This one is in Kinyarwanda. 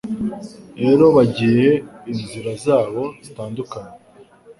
Rero bagiye inzira zabo zitandukanye